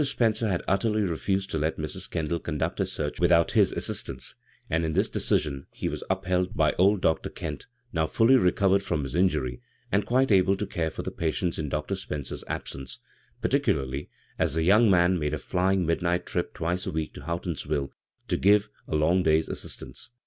Spencer had utterly refused to let Mrs. Kendall conduct her search without his assistance, and in this decision he was upheld by old Dr. Kent, now fully recovered from his injury and quite able to care for the pa tients in Dr. Spencer's absence, particu larly as the young man made a flying mid night trip twice a week to Houghtonsville to give a long day's assistance.